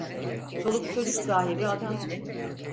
Çoluk çocuk sahibi adam…